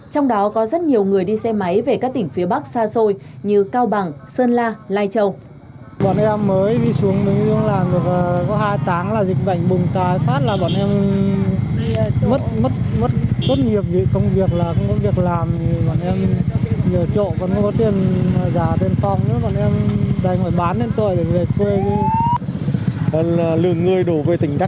trong đó có rất nhiều người đi xe máy về các tỉnh phía bắc xa xôi như cao bằng sơn la lai châu